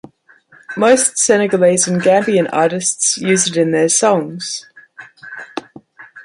Most Senegalese and Gambian artists use it in their songs.